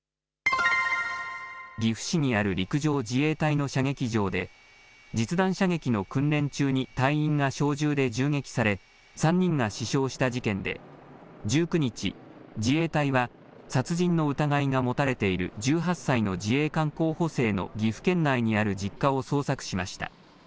岐阜市にある陸上自衛隊の射撃場で、実弾射撃の訓練中に隊員が小銃で銃撃され、３人が死傷した事件で、１９日、自衛隊は、殺人の疑いが持たれている１８歳の自衛官候補生の岐阜県内にある実家を捜索しました。